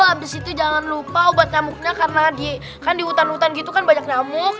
habis itu jangan lupa obat nyamuknya karena kan di hutan hutan gitu kan banyak nyamuk